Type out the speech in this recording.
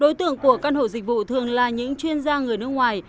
đối tượng của căn hộ dịch vụ thường là những chuyên gia người nước ngoài